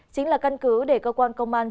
chính là căn cứ để cơ quan công an